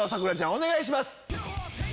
お願いします。